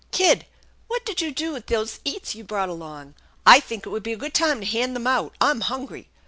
" Kid, what did you do with those eats you brought along ? I think it would be a good time to hand them out. I'm hungry.